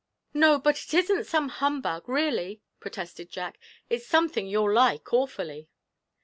'No, but it isn't humbug, really,' protested Jack; 'it's something you'll like awfully.'